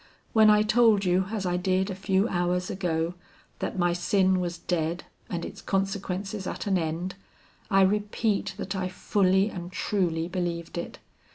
When I told you as I did a few hours ago that my sin was dead and its consequences at an end, I repeat that I fully and truly believed it.